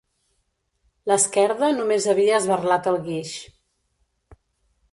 L'esquerda només havia esberlat el guix.